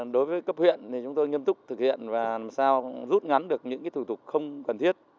đối với cấp huyện thì chúng tôi nghiêm túc thực hiện và làm sao rút ngắn được những thủ tục không cần thiết